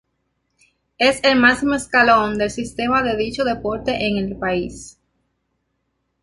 Es el máximo escalón del sistema de de dicho deporte en el país.